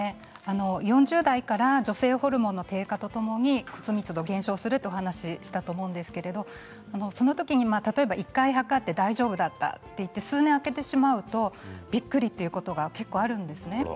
４０代から女性ホルモンの低下とともに、骨密度が低下するというお話をしたと思うんですけどその時に例えば、１回測って大丈夫だったといって数年あけてしまうとびっくりということが結構あるんですね。